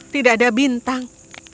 tidak ada bintang